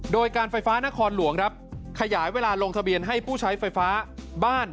โดยการไฟฟ้านครหลวงครับขยายเวลาลงทะเบียนให้ผู้ใช้ไฟฟ้าบ้าน